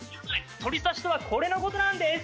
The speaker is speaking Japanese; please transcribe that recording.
鳥刺しとはこれのことなんです！